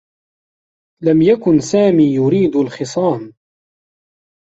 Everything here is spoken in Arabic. لم يكن سامي يريد الخصام.